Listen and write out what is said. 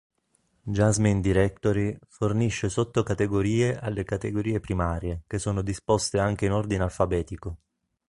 Jasmine Directory fornisce sottocategorie alle categorie primarie che sono disposte anche in ordine alfabetico.